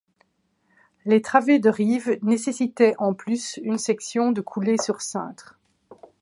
Les travées de rives nécessitaient en plus une section de coulée sur cintre.